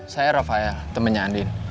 saya rafael temennya andin